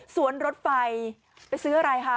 สวนรถไฟไปซื้ออะไรฮะ